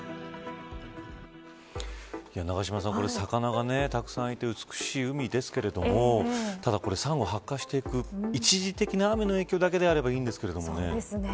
永島さん、魚がたくさんいて美しい海ですけれどもただこれ、サンゴが白化していく一時的な雨の影響だけであればいいんですけどね。